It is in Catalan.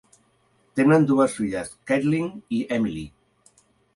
Tenen dues filles, Caitlin i Emilie.